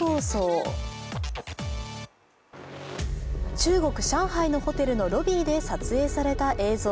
中国・上海のホテルのロビーで撮影された映像。